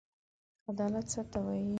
عدالت څه ته وايي؟